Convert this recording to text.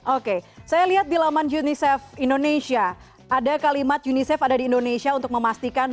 oke saya lihat di laman unicef indonesia ada kalimat unicef ada di indonesia untuk memastikan